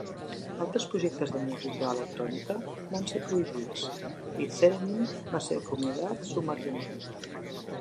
Altres projectes de música electrònica van ser prohibits i Theremin va ser acomiadat sumàriament.